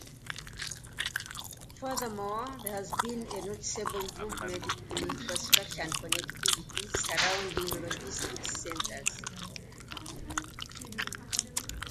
Furthermore, there has been a noticeable improvement in infrastructure and connectivity surrounding logistics centers.